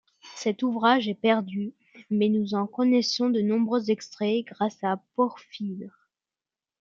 Cet ouvrage est perdu mais nous en connaissons de nombreux extraits grâce à Porphyre.